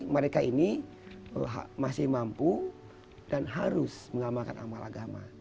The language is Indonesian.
mereka ini masih mampu dan harus mengamalkan amal agama